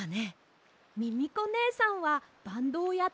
ミミコねえさんはバンドをやっていたんですか？